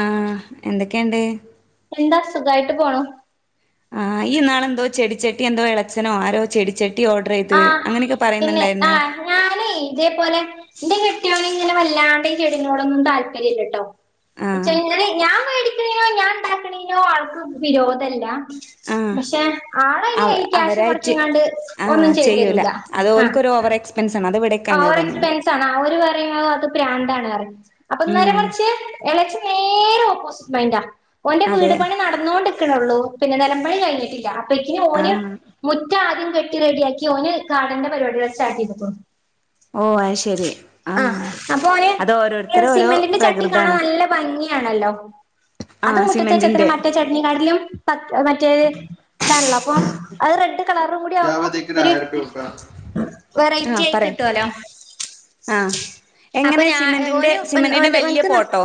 ആഹ എന്തൊക്കെയുണ്ട് എന്താ സുഖായിട്ട് പോണു ആ യ്യ് ന്നാളെന്തോ ചെടിച്ചെട്ടി എന്തോ ഇളച്ചനോ ആരോ ചെടിച്ചട്ടി ഓർഡർ ചെയ്ത് ആഹ് അങ്ങനെയൊക്കെ പിന്നെ ആ പറയുന്നുണ്ടായിരുന്നു ഞാനെ ഇതേ പോലെ എന്റെ കെട്ടിയോൻ ഇങ്ങനെ വല്ലാണ്ടെ ചെടിനോടൊന്നും താല്പര്യമില്ല ട്ടോ ആഹ് ച്ചങ്ങനെ ഞാൻ മേടിക്ക്ണേനോടൊ ഞാൻ ഉണ്ടാക്കുന്നേനോ ആൾക്ക് വിരോധല്ല ആഹ് പക്ഷെ ആളതിന് അവ ക്യാഷ് അവരായിട്ട് മുടക്കിക്കണ്ട് ആഹ് ചെയ്യൂല അത് ഓല്ക്കൊരു ഓവർ എക്സ്പെൻസ് ആണ് അത്ഇവിടെ ആ ഓവർ എക്സ്പെൻസ് ആണ് ഓര് പറയും അത് ന്താണ് എന്ന് പറയും അപ്പ ന്നേരെ ആഹ് മറിച്ച് എളച്ചൻ നേരെ ഓപ്പോ സ് മൈൻഡ് ഓന്റെ അതെ വീട് പണി നടന്നുകോണ്ട് ണള്ളൂ പിന്നെ നിലമ്പണി കഴിഞ്ഞിട്ടില്ല ക്കിന് ഓന് ആഹ് മുറ്റ ആദ്യം വെട്ടി റെഡിയാക്കി ഓന് ഗാർഡന്റെ പരിപാടികൾ സ്റ്റാർട് ചെയ്തിട്ടുള്ളു ഓ അയ് ശരി ആഹ അപ്പൊ ഓന് അത് ഓരോരുത്തരും ഓരോ സിമെന്റിന്റെ പ്രകൃതാണ് ആ ആഹ് അതും മുട്ടത്തെച്ചത്ര സിമെന്റിന്റെ മറ്റേ ചട്നിക്കാടിലും പ മറ്റേത് ല്ലല്ല അപ്പൊ അത് റെഡ് കളറ് കൂടി ക്യാ ആവുമ്പോ ബതേക്ക് ഒരു ആയിരം റുപ്യ കൊടുക്കാം വെറൈറ്റി ആഹ് ആയി കിട്ട പറയ് ആഹ് അപ്പൊ എങ്ങനെ ഞാന് ഓ സിമെന്റിന്റെ സിമെന്റിന്റെ ഓന് വല്യ ഓന്ക്ക് പോട്ടോ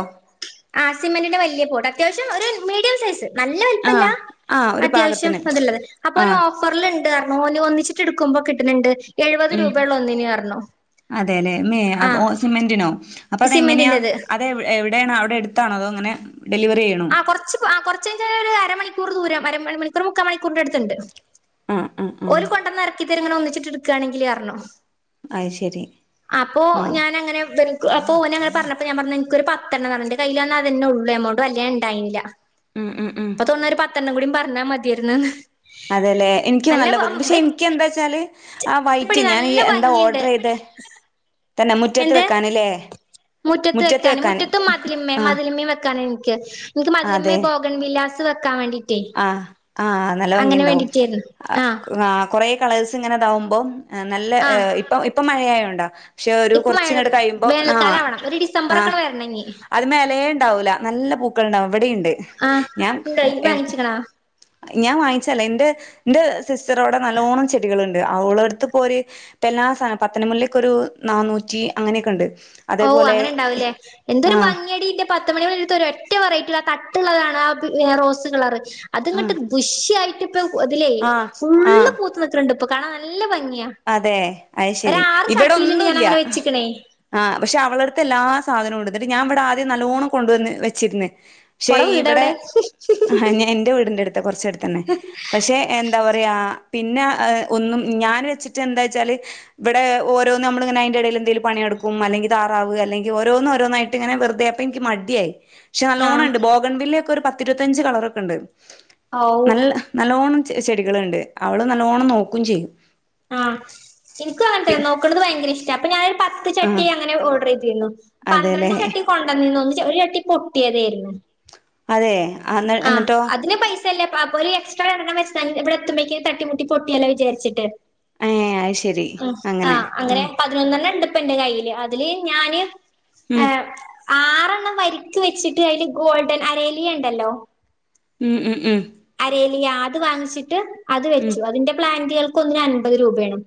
ആസിമന്ന്റെ വലിയ ട്ട അത്യാവശ്യം മീഡിയം സൈസ് നല്ല വലിപ്പല്ല ആഹ് ആഹ് ഒരു അത്യാവശ്യം പാകത്തിന് അതുള്ളത് അപ്പൊഒരു ആഹ് ഓഫറൽുണ്ട് കാരണം ലെ ഒന്നിച്ചിട്ട് എടുക്കുമ്പോ കിട്ടുന്നുണ്ട് എഴുപത് രൂപുള്ള ഒന്നിന് പറാ അതെ ലെ മേ ഓ സിമെന്റി [inaudible] അപ്പൊ അതെങ്ങനെയാ സിമെന്റിന്റെത് അത് എവിടെയാണ് അവിടെ എടുത്താണോ അതോ അങ്ങനെ ഡെലിവറി ചെയ്യണോ ആ കൊറച്ച് കൊറച്ചു കഴിഞ്ഞ ഒരു അരമണി മണിക്കൂർ ദൂരം അര മണിക്കൂർ മുക്ക മണിക്കൂറിന്റെ അടുത്ത്ണ്ട് ആഹ് ആഹ് ആഹ് ഓര് കൊണ്ടന്ന് ഇറക്കി തരണ ച്ചിട്ട എടുക്കയാണെങ്കിൽ പറണോ അത് ശരി അപ്പൊ ആഹ് ഞാൻ അങ്ങനെ അപ്പൊ ഓനെ അങ്ങെ പറഞ്ഞപ്പോ ഞാൻ പറഞ്ഞ എനിക്കൊരു അ നന്റെ കയ്ൽന്ന അതന്നെ ഉള്ളൂ എമൗ വല്യ ഉണ്ടായില്ല ഉം ഉം ഉം ഇപ്പൊ തൊണ്ണൂരു പത്തെണ്ണം കൂടി പറഞ്ഞാൽ മതിയായിരുന്നുന്ന് അതെല്ലെ എനിക്ക് നല്ല ബം പക്ഷെ എനിക്ക് എന്താ വച്ചാല് ആ പ്പടി വൈറ്റ് ഞാൻ നല്ല എന്താ ഭംഗിണ്ട് ഓർഡർ ചെയ്ത തന്നെ മുറ്റത്ത് എന്ത് വെക്കാനല്ലേ മുറ്റത്ത് വെക്കാന് മുറ്റത്ത മതിലിയും ആഹ് മതിലിമ്മയും വെക്ക എനിക്ക് ന്ക്ക് മതിലിമ്മേൽ പോഗൺ വിലാസ [unintelligible] ആ ആ നല്ല ഭംഗിയുണ്ടാവും വേണ്ടിട്ടായിരുന്നു ആഹ് ആ കൊറെ കളേഴ്സിങ്ങനെ താവുമ്പോ നല്ല ആഹ് ഇപ്പ ഇപ്പ മ യായണ്ടോ പക്ഷെ ഒരു ഇപ്പൊ മഴ കുറച്ചങ്ങട കഴിയുമ്പോം ആ വേനൽക്കാലം ആവണം ഒരു ആ ഡിസംബറൊക്കെണ് വരണഞ്ഞി അത് മേലേ ഇണ്ടാവൂല നല്ല പൂക്കളുണ്ടാവും ഇവിടെണ്ട് ആഹ് ഞാൻ ഇണ്ടോ ഇയ്യ് വാങ്ങിച്ചിക്കണോ ഞാൻ വാങ്ങിച്ചല്ലേ എൻ്റെ എൻ്റെ സിസ്റ്ററോടെ നല്ലോണം ചെടികളണ്ട് അവളടുത്ത് പോര് ഇപ്പ എല്ലാ സധനം പത്തനംമുല്ലക്കൊരു നാനൂറ്റി അങ്ങനെയൊക്കെണ്ട് ഓ അങ്ങനെ ഇണ്ടാവൂലേ എന്തൊരു ഭംഗിയടിന്റെ പ പത്ത മണികളടുത്ത് ഒരു ഒറ്റ വെറൈറ്റി ആ തട്ടുള്ളതാണ് ആ റോസ് കളറ് അത്ങ്ങട്ട് ആഹ് ദുഷ്യയായി അതിലേ ആഹ് ആഹ് ഫുള്ള് പൂത്ത് നിക്കണണ്ട് അപ്പൊ കാണാൻ നല്ല ഭ അതെ അയശരി ഇവിടെ ചട്ടിയിലുണ്ട് ഞാൻ ഒന്നുയില്ല അങ്ങനെ വെച്ചിക്കണേ ആ പക്ഷെ അവളടുത്ത് എല്ലാ സാധനവുണ്ട് എന്നിട്ട് ഞാൻ ഇവടെ ആദ്യം നല്ലോണം കൊണ്ടുവന്ന് വെച്ചിരുന്ന് പക്ഷെ ഓളെ ഇവിടെ വീടെവിടെ എന്റെ വീടിന്റെടുത്ത് കുറച്ചടുത്തന്നെ പക്ഷെ എന്താ പറയാ പിന്നെ ഒന്നും ഞാൻ വെച്ചി എന്താ വെച്ചാല് ഇവിടെ ഓരോന്ന് നമ്മളയിങ്ങനെ അതിന്റെടയില് എന്തെലും പണി നടുക്കും അല്ലെങ്കി താറാവ് അല്ലെങ്കി ഓരോന്നോരോന്നായിട്ടിങ്ങനെ വെറുതെ അപ്പ എനിക്ക് മടിയായി പക്ഷെ ആഹ് നല്ലോണണ്ട് ബോഗൺ വില്ല ഒരു പത്തിരുപത്തഞ്ച് കളറൊക്കെണ്ട് ഔ നല്ല നല്ലോണം ചെ ചെടികളണ്ട് അവള് നല്ലോണം നോക്കും ചെയ്യും ആ എനിക്കും അങ്ങനെ പി തന്നെ നോക്കണത് ഭയങ്കര ഇഷ് [unintelligible] പത്ത് ആഹ് ചട്ടി അങ്ങനെ ഓർഡർ ചെയ് [unintelligible] അതെല്ലേ പന്ത്രണ്ട് ചട്ടി കൊണ്ടുവന്നീന്നൊന്ന് ഒരു ചട്ടി പൊട്ടിയതയിരുന്നു അതെ അന്ന് ആ എന്നിട്ടോ അതിന് പൈസല്ല [unintelligible] അപ്പോരു എക്സ്ട്രാ എറങ്ങാൻ വേ [unintelligible] ഇവിടെത്തുമ്പേക്ക് തട്ടി മുട്ടി പൊട്ടിയല്ല വിചരിച്ചിട്ട് ഏ അത് ശരി മ്മ് ആ അങ്ങനെ പതിനൊന്നെണ്ണം ഇണ്ട്പ്പ എൻ്റെ കയ്യില് അതില് ഞാന് ഉം ണ്ണം വരിക്ക് വെച്ചിട്ട് അതില് ഗോൾഡൻ അരേലിയ ഉണ്ടല്ലോ ഉം ഉം ഉം ഏലിയ അത് വാങ്ങിച്ചിട്ട് അത് ഉം വെച്ചു അതിന്റെ പ്ലാൻ കേൾ - ക്കൊന്നിന് അൻപത് രൂപയാണ്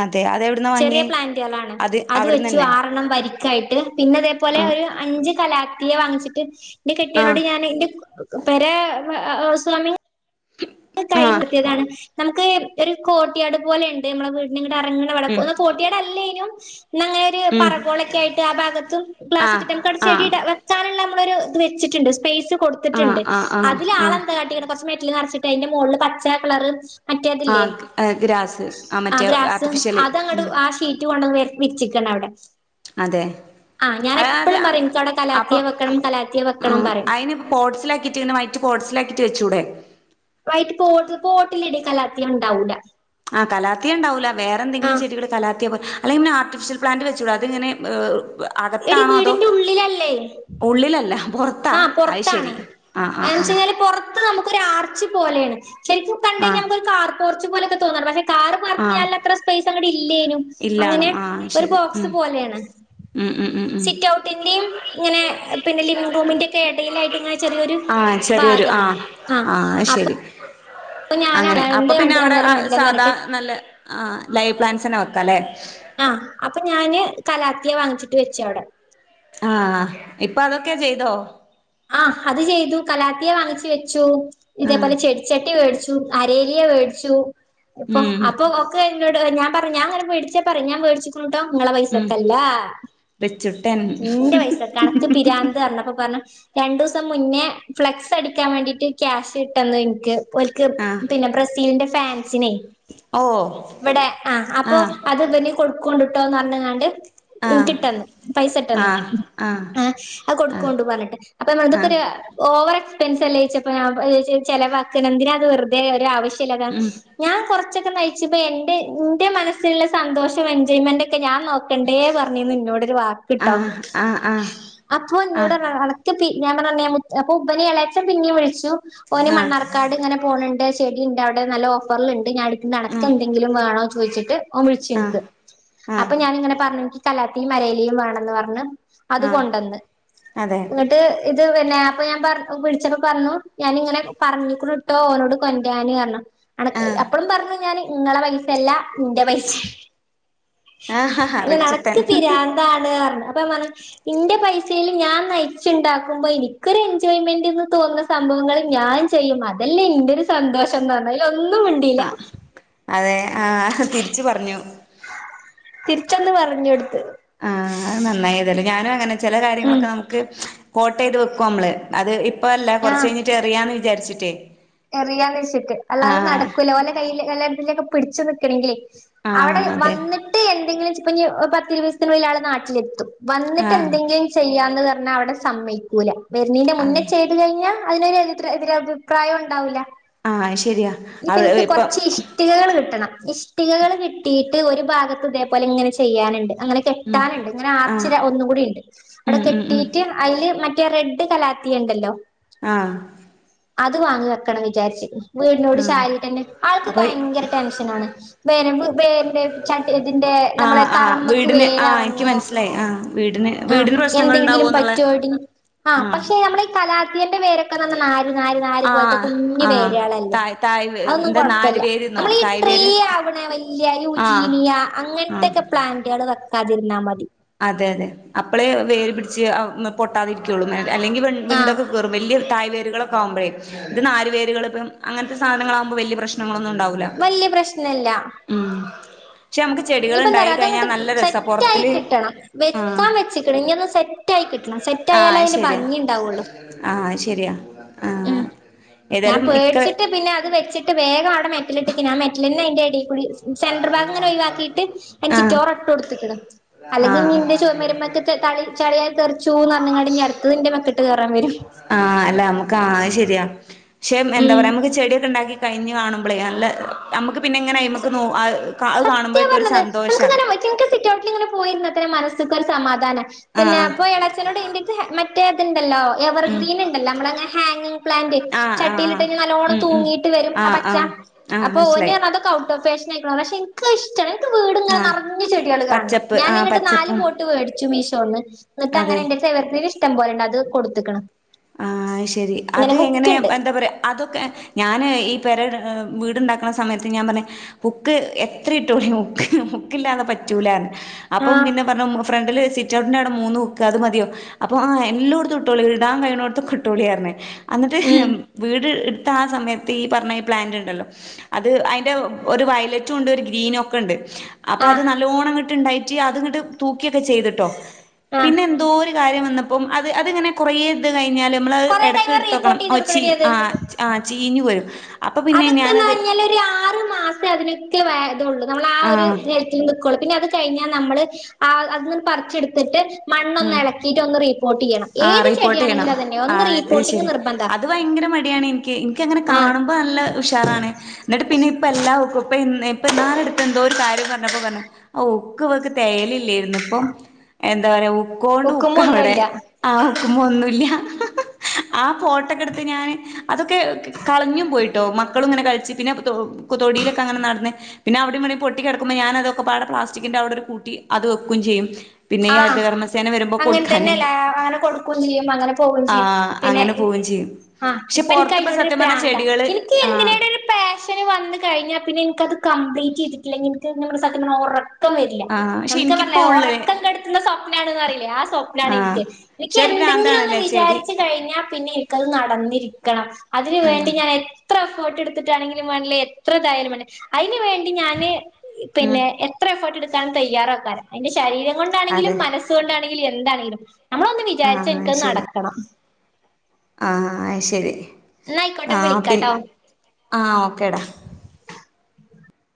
അതെ അതെവിടുന്നാ ചെറിയ വാങ്ങിയേ പ്ലാന്റുകളണ് അത് വെച്ചു ആരെണ്ണം വരിക്കായിട്ട് പിന്നെ അതേപോലെ ആ ഒരു അഞ്ച് കല ത്തിയ വാങ്ങിച്ചിട്ട് എന്റെ ആ കെട്ടിയാനോട് ഞാൻ എന്റെ [unintelligible] സ്വാമി ആ കഴിഞ്ഞിട്ടതാണ് ഒരു കോട്ടിയാട് പോലെ ഇണ്ട് നമ്മളെ വീട് ഇറങ്ങണവടം ഉം ഒന്ന് കോട്ടിയാട് അല്ലേനും ഇന്ന് അങ്ങേര് ഉം പറകോളൊക്കെ ആയിട്ട് ആ ഭാഗത്തും ആ ഗ്ലാസിട്ടിട്ട് നമുക്കട ആ ചെടിട വെക്കാനുള്ള നമ്മളൊരു വെച്ചിട്ടുണ്ട് സ്പെയിസും ആ കൊടുത്തിട്ടുണ്ട് ആ ആ അതിലെ ആ ആളെന്താ കാട്ടിക്കണേ കുറച്ച് മെ റ്റില് നറച്ച് ന്നിട്ടയിന്റെ മോള്ള് പച്ച കളർ ആ മറ്റേതില്ലേ ഗ്രാസ് ആ മറ്റേ ഗ്രാസ് ആർട്ടിഫിഷ്യല് അതങ്ങട് ഉം ആ ഷീറ്റ് കൊണ്ടന്ന് വര വിച്ചിക്കണ് അവിടെ അതെ ആ ഞാൻ അതാത് എപ്പളും പറയും എനിക്കവിടെ കലാത്തിയ അപ്പം വെക്കണം കലാത്തിയ വെക്കണം ഉം പറയും അയിന് പോട്സിലാക്കിട്ട് ഇങ്ങെ വൈറ്റ് പോർസിലാക്കിട്ട് വെച്ചൂടെ വൈറ്റ് പോട്ട് പോട്ടില്ലെടി കലാത്തിയ ഉണ്ടാവൂല ആ കലാത്തിയ ഉണ്ടാവൂല ആ വേറെന്തെങ്കിലും ചെടികൾ കലാത്തിയ പോ അല്ലെങ്കിൽ പിന്നെ ആർട്ടിഫഷ്യൽ പ്ലാന്റ് വച്ചുടെ അത്ഇങ്ങനെ എടി അകത്താണോ അതോ വീടിന്റെ ഉള്ളിലല്ല പുറത്താ ആ അത് പുറത്താണ് ശരി ആ ആ ആ ആന്നേച്ച് കഴിഞ്ഞാല് പുറത്ത് നമ്മ ക്കൊരാർച്ച് പോലെയാണ്. ശരിക്കും ആ കണ്ടുകഴിഞ്ഞ നമുക്കൊരു കാർപോർ ച്ച് പോലൊക്കെ തോന്നാണ് പക്ഷേ കാർ ആ പാർക്കിയ്യാൻ ഉള്ളത്ര സ്പെയിസങ്ങട് ഇൽ ഇല്ല്യേനു അങ്ങനെ ഇല്ലാണും ആ ഒരു ശരി ബോക്സ് ഉം പോലെയാണ് ഉം ഉം ഉം ഉം സിറ്റ്ഔട്ടിന്റെയും ഇങ്ങനെ പിന്നിലെ റൂമിന്റെക്കെ ഇടയിലായിട്ട് ഇങ്ങനെ ചെറിയൊരു ആ ചെറിയൊരു ആ ഭാഗാണ് ആ അപ്പൊ ഞാൻ അങ്ങനെ അപ്പൊ രണ്ട് പിന്നെ രണ്ട് അവിടെ അന്നേരം വേണ്ടില്ലാന്ന് സാധാ പറഞ്ഞിട്ട് നല്ല ആ പ്ലൈ പ്ലാൻസെന്നെ വെക്ക ല്ലേ ആ അപ്പൊ ഞാന് കലാത്തിയെ വാങ്ങിച്ചിട്ട് വെച്ച് അവ്ടെ ആ ഇപ്പൊ അതൊക്കെ ചെയ്തോ ആ അത് ചെയ്തു കലാത്തിയെ വാങ്ങിച്ചു വെച്ചു ആ ഇതേ പോലെ ചെടി ചട്ടി വേട്ച്ചു അരേലിയ വേട്ച്ചു ഇപ്പൊ ഉം അപ്പൊ ഒക്കെ ഞാ പറ ഞങ്ങനെ മേടിച്ച പറയും ഞാൻ വേട്ച്ച് ക്ക്ണു കേട്ടോ ഇങ്ങളെ ഉം പൈസക്കല്ല റിച്ചുട്ടൻ ഇന്റെ പൈസക്കെ അനക്ക് പിരാന്ത് പറഞ്ഞപ്പ പറഞ്ഞ [inaudible] രണ്ടു ദിവസം മുന്നേ ഫ്ലെക്സ് അടിക്കാൻ വേണ്ടീട്ട് ക്യാഷ് ഇട്ടന്നു എനിക്ക് ഓല്ക്ക് ആ പിന്നെ ബ്രസീലിന്റെ ഫാൻ ഫാൻസിന് ഓ ഇവിടെ ആ അപ്പൊ ആ അത് ഇവന് കൊടു കൊടുക്കോണ്ട്ടൊ പറഞ്ഞുകാണ്ട് ആഹ് എനിക്കിട്ടെന്ന് പൈസ ഇട്ടന്ന് ആഹ് ആഹ് ആ ആ ആഹ് കൊടുക്കോണ്ട് പർഞ്ഞിട്ട് അപ്പ ആഹ് അമ്മൾതക്കൊരു ഓ വർ എക്സ്പെൻസ്ല് അല്ലെ ചോയ്ച്ചപ്പം ചെലവാക്ക എന്തിന അത് വെറുതെ ഒരു ആവശ്യ ല്ലാതെ ഉം ഞാൻ കൊറച്ച് പ്എന്റെ എന്റെ മനസ്സിലുള്ള സന്തോഷം എൻജോയ്മെന്റ്ക്കെ ക്ക ഞാൻ നോക്കണ്ടേ പറഞ്ഞന്ന് ഇന്നോടൊരു വാക്ക്ട്ടോ ആഹ് ആഹ് ആഹ് അപ്പൊ ഇന്നോട് പറഞ്ഞു അന ഞാൻ പറഞ്ഞ അപ്പൊ ഇബനി ഏളാച്ചം പിന്നീെ വിളിച്ചു ഓന് ആഹ് ആഹ് മണ്ണാർക്കാട് ഇങ്ങനെ പോണണ്ട് ചെടി ഇണ്ട് അവിടെ നല്ല ഓഫർ ല് ഇണ്ട് ഞാ അനക്ക് ആഹ് എന്തെങ്കിലും വേണോ ചോ ചോയ്ച്ചിട്ട് ഓൻ വിളിച്ച് ഇനിക്ക് ആഹ് ആഹ് അപ്പൊ ഞാന് ഇങ്ങനെ പറഞ്ഞ കലാത്തിയും മലേലിയും വേണെന്ന് പറഞ്ഞ് അത് ആഹ് കൊണ്ടന്ന് അതെ എന്നങ്ങിട്ട് ഇത് പിന്നെ അപ്പൊ ഞാൻ പറ വിളിച്ച, പറഞ്ഞു ഞാനിങ്ങനെ പറഞ്ഞൂ ക്കുന്നുട്ടോ ഓനോട് കൊണ്ടാരൻ പറ അനക് അപ്പഴും പറഞ്ഞു ഞാന് നിങ്ങളെ പൈസ അല്ല നിന്റെ പൈസ ആഹ് ആഹ് അല്ല റിച്ചുട്ടൻ നടക്ക് പിരാന്താണ് പറഞ്ഞ് അപ്പം പറ ഇന്റെ പൈസൽ ഞാൻ നയി നയിച്ച്ണ്ടുമ്പോ എനിക്കൊരു എൻജോയ്മെന്റ് എന്ന് തോന്ന സംഭവങ്ങൾ ഞാൻ ചെയ്യും അതല്ല എന്റെ ഒരു സന്തോഷം പറഞ്ഞ ആ അതെ ആ തിരിച്ചു പറഞ്ഞു തിരിച്ചൊന്ന് പറഞ്ഞു കൊടുത്തു ആഹത് നന്നായിതല്ല ഞാനും അങ്ങനെ ചില ഉം കാര്യങ്ങളൊക്കെ നമുക്ക് കൊട്ട് ചെയ്ത് വെക്കുംനമ്മള് അത് ഇപ്പോ ഇപ്പോ അല്ല കുറച്ച് ആഹ് കഴിഞ്ഞട്ട് എറിയാൻ വേ വിചാരിച്ചിട്ടെ എറിയാന്ന് വെച്ചിട്ട് അല്ലാതെ നടക്കൂലലെ ഓന്റെ കൈയിൽ യെല്ലന്തേലും പിടിച്ചു നിൽക്കണെങ്കിൽ അവിടെ ആഹ് അതെ വന്നിട്ട് എന്തെങ്കിലും ചെ- ഇപ്പോ ഇനി ഇരുപത്ദിവസത്തിനുള്ളിൽ ആള് നാട്ടിലെത്തും വന്നിട്ട് ആഹ് എന്തെങ്കിലും ചെയ്യാന്ന് ന്നഅവിടെ സമ്മയ്ക്കൂല വരുന്നെന്റെ മുന്നേ അതെ ചെയ്തു കഴിഞ്ഞാൽ അതിനൊരു ഓരോടെ അഭിപ്രായം ഉണ്ടാവില്ല ആഹ് ശരിയാ അവ ഇനിപ്പോഎനിക്ക് ഇപ്പം കൊറച്ച് ഇഷ്ടികകൾ കിട്ടണം ഇഷ്ടികകൾ കിട്ടിയിട്ട് ഒരു ഭാഗത്ത് ഇതേപോലെ ഇങ്ങനെ ചെയ്യാനുണ്ട് അങ്ങനെ ഉം കെട്ടാനുണ്ട് ഇങ്ങനെ ആർച് ആഹ് ഒന്നും കൂടി ഉണ്ട് അവിടെ ഉം ഉം ഉം കെട്ടിട്ട് അതില് മറ്റേ മറ്റേറെഡ് കലാത്തിയാ ഉണ്ടല്ലോ ആഹ് അത് വാങ്ങാണ് ആക്കണം വിചാരിച്ച് വീടിനോട് ആഹ് ചാരിട്ട തന്നെ ആൾക്ക് അപ്പൊ ഭയങ്കര ടെൻഷൻ ആണ് വരവ് വേന്റെ ച ഇതിന്റെ നമ്മളെ ആഹ് ആഹ് തറമക്ക് വീടിന് ആഹ് എനിക്ക് വേരറങ്ങോ മനസ്സിലായി ആഹ് വീടിന് ആ വീടിന് പ്രശ്നങ്ങൾ എന്തെങ്കിലും ഉണ്ടാവോന്നുള്ള പറ്റുവോ ആ ആഹ് പക്ഷെ നമ്മള ഈ കലാതിയന്റെവേര് ഇപ്പോനര് നര്നര്പോലത്തെ ആഹ് കുഞ്ഞു ആഹ് വേര് കളല്ലേ തായ് തായ് അതൊന്നും എന്താ നാര് കുഴപ്പില്ല വേര്ന്നോ തായ് വേര് നമ്മള്ട്രീഅവ്ണ വല്യ കാനു ആഹ് യുജിനിയ ആഹ് അങ്ങനത്തെൊക്കെ പ്ലാന്റുകൾ വെക്കാതിരി ഇന്നാ മതി അതെ അതെ അപ്പളേ വേര് പിടിച്ച് പൊട്ടാതി ഇരിക്കുള്ളൂ അല്ലെങ്കി ആഹ് വിണ്ടൊക്കെ കീറും വല്ല്യ താ വേരുകളക്കാമ്പഴേ ഇത് നാര് വേര്കൾ എപ്പഴും അങ്ങനത്തെ സാധനങ്ങളാവുമ്പോ വല്ല്യ പ്രശ്നങ്ങളൊന്നും ഉ വല്യ പ്രശ്നല്ല്യ പക്ഷെ നമുക്ക് ചെടികള് ഇണ്ടായി കഴിഞ്ഞാ നല്ല രസാ സെറ്റ് ആയി പൊറത്തില് കിട്ടണം ആഹ് വെക്കാൻ വെച്ച്ക്ക്ണ് ഇഞ്ഞി അതൊ ഒ സെറ്റ് ആയി കിട്ടണം സെറ്റ് ആയാലേ ആഹ് അത് അയിൻ്റെ ഭംഗി ഇണ്ടാവൊള്ളു ഉ ഉം ഞാൻ പേടിച്ചിട്ട് പിന്നെ അത് വെച്ചി ട്ട് വേഗം അവടെ മെറ്റല് ഇട്ട്ക്കേന്നു ആ മെറ്റല് അയൻ്റെടി കുഴി സെൻറർ ഭാഗങ്ങനെ ഒഴിവാക്കിട്ട് അയിൻ്റെ ആഹ് ചിറ്റോറ ഇട്ടോട്ത്ത്ക്ക്ണ് അല്ലെങ്കി ഇഞ്ഞി ആഹ് ഇന്റെ ചൊമരമ്മക്ക് റ്റെ തളി ചളി അത് തെർച്ചൂന്നർഞ്ഞ് ങ്ങാണ്ട് ഇഞ്ഞി അടുത്തത് ഇൻ്റെ മെക്കട്ട് കേർ പറഞ്ഞരും ആഹ് അല്ല നമുക്ക് ആ ശരിയ പക്ഷ എന്ത പറ്യ നമുക്ക് ഉം ചെടിയക്കെ ഇണ്ടാക്കി കഴിഞ്ഞു കാണുമ്പളേ നല്ല നമുക്ക് പിന്നെ ഇങ്ങനയ്മക്ക് നോ അഅ് ക അഅ് സത്യാ കാണുമ്പോഴക്കെ ഒരു പറഞ്ഞത് നമുക്ക് സന്തോഷാ തന്നെ എനിക്ക് സിറ്റ് ഔട്ടിൽ ഇങ്ങനെ പോയിരുന്ന തന്നെ മനസ്‌ക്കൊരു സമാധാനാ പിന്നെ ആഹ് അപ്പൊ ഇളച്ചനോട് ഇൻ്റെര്ത്ത് എ മറ്റേ അത്ണ്ടല്ലോ ഉം എവർഗ്രീൻ ഇണ്ടല്ലോ നമ്മളെ ങ്ങെ ഹാങ്ങിങ് പ്ലാന്റ് ആഹ് ആഹ് ആഹ് ചട്ടിയിലിട്ടെയ്‌ഞ്ഞാ നല്ലോണം ഉം ഉം തൂങ്ങിട്ട് വരും ആ ആഹ് പച്ച ആഹ് ആഹ് അപ്പൊ ഓന് മനസ്സിലായി അറഞ്ഞു അതൊ ട്ടോ ഫേഷനായ്ക്ക്ണു പക്ഷെ ഇൻക്ക് അഅ് ഇഷ്ടാണ് ഇക്ക് വീട്ങ്ങനെ ആഹ് നറഞ്ഞ് ചെട്യേള് കാണണം പച്ചപ്പ് ആഹ് ഞാനിങ്ങിട്ട് നാല് പച്ചപ്പും പോട്ട് വേടിച്ചു മീഷോന്ന് ഇന്ന്ട്ട് അങ്ങനെ അതെ ഇൻ്റെട്ത്ത് എവർഗ്രീന് ഇഷ്ടം പോലെ ൺ അത് കൊടുത്ത്ക്ക്ണ് ആഹ് അയ്ശരി അത് ഇങ്ങനെ എങ്ങനെ ഹുക്ക്ണ്ട് എന്താ പറയാ അതൊക്കെ ഞാന് ഈ പെര വീട്ണ്ടാക്ക്ണ സമയത്ത് ഞാൻ പറഞ്ഞ് ഹുക്ക് എത്ര ഇട്ടു [unintelligible] ഹുക്കില്ലാതെ പറ്റൂലാന്ന് അപ്പം ആഹ് പിന്നെ പറഞ്ഞു ഫ്രണ്ടില് സിറ്റ്ഔട്ടിന്റെ അവടെ മൂന്ന് ഹുക്ക് അത് മതിയോ അപ്പൊ ആ എല്ലോട്ത്തും ഇട്ടോളി ഇടാൻ കഴി ണോട്ത്തൊക്കെ ഇട്ടോളി അർഞ്ഞ് അന്നിട്ട് ഉം വീട് ഇട് ത്താ സമയത്ത് ഈ പറഞ്ഞ പ്ലാന്റ് ഇണ്ടല്ലോ അത് അയിന്റെ ഒരു വയലറ്റും ഉണ്ട് ഒരു ഗ്രീന് ഒക്കെ ഇണ്ട് അപ്പൊ അത് ആഹ് നല്ലോണം ഇങട്ട്ണ്ടായി ട്ട് അത്ങ്ങട്ട് തൂ ക്കിഒക്കെ ചെയ്ത്ട്ടോ ആഹ് പിന്നെ എന്തോര് കാര്യം വന്നപ്പം അത് അത്ങ്ങനെ കുറേ [unintelligible] കഴിഞ്ഞാല് നമ്മള് കൊറേ ടൈം എടക്ക് ഇട്ത്ത് നോക്കണം റിപ്പോർട്ട് ചെയ്ത് ഒ ച്ചി കൊടുക്കണെടി ആ അത് ഇനി വരും അതൊക്കെന്ന് പറഞ്ഞാല് ഒരു ആറ് മാസം അതിനൊക്കെ വെലി ഇതോള്ളൂ നമ്മള് ആ ഒരു നേരത്തി [unintelligible] പിന്നെ അത് കഴിഞ്ഞാ നമ്മള് ആ അതന്ന് പറിച്ചെടുത്തിട്ട് മണ്ണൊന്ന് ഉം ഇളക്കിയിട്ട് ഒന്ന് റീപ്പോർട്ട് ചെയ്യണം ആ ഏത് റിപ്പോർട്ട് ചെയ്യണം ചെടിയാണെങ്കിലും അതന്നെ ആ ഒന്ന് അത് റീപ്പോർട്ടിങ് ശരി നിർബന്ധ അത് ഭയങ്കര മടിയാണ് ഇൻക്ക് എനിക്കങ്ങനെ ആഹ് കാണുമ്പോ നല്ല ഉഷാറാണ് എന്നിട്ട് പിന്നെ ഇപ്പ എല്ലാഓക്കും ഇപ്പൊന്നാരെ അടുത്ത് എന്തോ ഒരു കാര്യം പറഞ്ഞപ്പോ പറഞ്ഞു ഉക്ക് വക്ക് തേയലില്ലായിര്ന്ന് ഇപ്പം എന്താ പറയാ ഉക്കോണ്ട് ഒക്കുമ്പോ ഉക്കാവെടെ ഒന്നുല്ല ആ ഉക്കുമേ ഒന്നുല്ല ആ ഫോട്ടൊക്കെ എടുത്ത് ഞാന് അതൊക്കെ കളഞ്ഞും പോയിട്ടോ മക്കളും ഇങ്ങനെ കളിച്ച് പിന്നെ കൊ തൊടിയിലൊക്കെങ്ങനെ നടന്ന് പിന്നെ അവിടെ ഇവിടെയും പൊട്ടിക്കിടക്കുമ്പോ ഞാനതൊക്കപാടെ പ്ലാസ്റ്റിക്കിന്റെ അവിടെ കൂട്ടി അത് വെക്കും ചെയ്യും പിന്നെ ഈ ആഹ് ഹരിദകർമ സെ അങ്ങനെ തന്നെല്ല അങ്ങനെ കൊടുക്കും ചെയ്യും അങ്ങനെ പോവെയും ചെയ്യും ആഹ് പിന്നെ അങ്ങനെ പോവും ചെയ്യും. ആ പക്ഷെ ഇപ്പ എനിക്ക് പൊറത്ത്പ്പ അയ്നോടൊരു സത്യം പറഞ്ഞ പ്രാന്താ ചെടികള് എനിക്ക് ആഹ് എന്തിനയ്ടൊരു പാഷന് വന്ന് കഴിഞ്ഞാ പിന്നെ എനിക്കത് ക വെയ്റ്റെയ്തിട്ടില്ലെങ്കില് എനിക്ക് ഇങ്ങനെ സത്യം പറഞ്ഞാ ഒറ ക്കം വരില്ല ആഹ് പക്ഷെ നമുക്ക് എനിക്കിപ്പോ പറഞ്ഞില്ലേ ഒ ഉള്ള് [unintelligible] [unintelligible] അറിയില്ലേ ആ സ്വപ്നാണ് ആഹ് ഇൻക്ക് ഇൻക്ക് പക്ഷെ ഒരു എന്തെങ്കിലും ഒന്ന് ഭ്രാന്താണല്ലേ ചെടി വിചാരിച്ച് കഴിഞ്ഞാൽ പിന്നെ ക്കത് നടന്നിരിക്കണം അതിന് വേണ്ടി ആഹ് ഞാൻ എ എത്ര എഫേട്ട് എടുത്തിട്ടാണെങ്കിലും വേണ്ടില്ല എത്ര തായാലും വേണ്ടില്ല അതിന് വേണ്ടി ഞാന് ഉം പിന്നെ എത്ര എഫേർട്ട് എടു താൻ തയ്യാറാക്കാരം അയ്ന്റെ ശരീരം കൊണ്ടാണെങ്കിലും അതെ മനസ് കൊണ്ടാണെ [unintelligible] എന്താണങ്കിലും നമ്മള് ഒന്ന് വിചാരിചാ എനിക്കത് നടക്കണം ആ അയ് ശരി എന്നാ ആയിക്കോട്ടെ ആ പി വിളിക്കാട്ടോ ആ ഓക്കേടാ